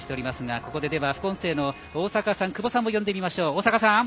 ここで副音声の大坂さん久保さんを呼んでみましょう。